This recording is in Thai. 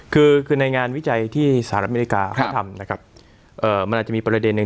คือคือในงานวิจัยที่สหรัฐอเมริกาเขาทำนะครับเอ่อมันอาจจะมีประเด็นหนึ่ง